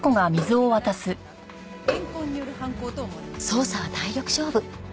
捜査は体力勝負。